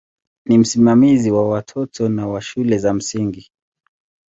Ni msimamizi wa watoto na wa shule za msingi.